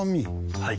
はい。